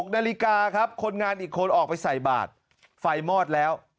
๖นาฬิกาครับคนงานอีกคนออกไปใส่บาทไฟมอดแล้ว